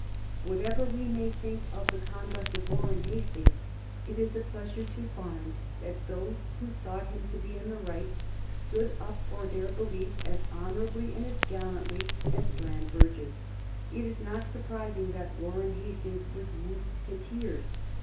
Whatever we may think of the conduct of Warren Hastings, it is a pleasure to find that those who thought him to be in the right stood up for their belief as honorably and as gallantly as Bland Burges. It is not surprising that Warren Hastings was moved to tears.